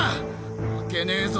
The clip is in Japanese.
負けねぇぞ。